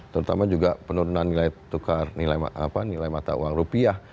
terutama juga penurunan nilai tukar nilai mata uang rupiah